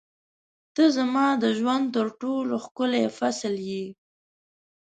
• ته زما د ژوند تر ټولو ښکلی فصل یې.